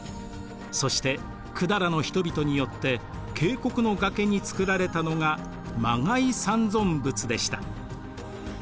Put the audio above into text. そして百済の人々によって渓谷の崖に作られたのが磨崖三尊仏でした。